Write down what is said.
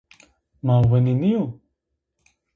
Ma winî nîyo?